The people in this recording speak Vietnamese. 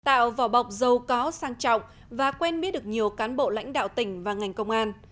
tạo vỏ bọc giàu có sang trọng và quen biết được nhiều cán bộ lãnh đạo tỉnh và ngành công an